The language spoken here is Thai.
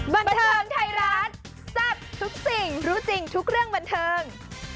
บันเทิงไทยรัฐแซ่บทุกสิ่งรู้จริงทุกเรื่องบันเทิง